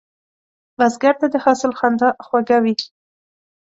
بزګر ته د حاصل خندا خوږه وي